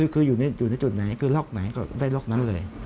คืออยู่ในจุดไหนคือล็อกไหนก็ได้ล็อกนั้นเลย